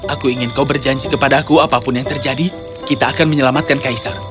aku ingin kau berjanji kepadaku apapun yang terjadi kita akan menyelamatkan kaisar